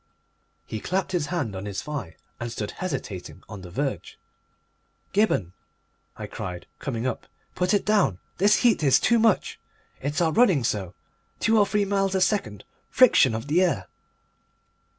He clapped his hand on his thigh and stood hesitating on the verge. "Gibberne," I cried, coming up, "put it down. This heat is too much! It's our running so! Two or three miles a second! Friction of the air!"